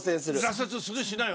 挫折するしない。